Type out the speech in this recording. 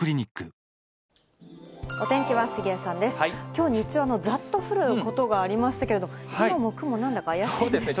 きょう日中、ざっと降ることがありましたけど、今も雲、なんだか怪しいですね。